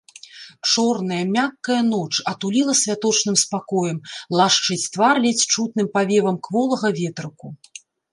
Чорная, мяккая ноч атуліла святочным спакоем, лашчыць твар ледзь чутным павевам кволага ветрыку.